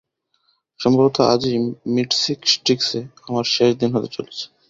সম্ভবত আজই মীট স্টিক্সে আমার শেষ দিন হতে চলেছে।